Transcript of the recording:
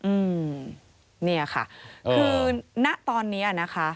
อืมเนี่ยค่ะคือณตอนนี้นะคะ